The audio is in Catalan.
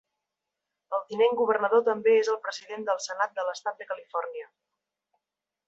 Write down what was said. El tinent governador també és el president del Senat de l'Estat de Califòrnia.